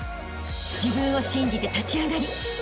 ［自分を信じて立ち上がりあしたへ